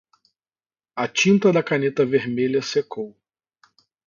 A tinta da caneta vermelha secou.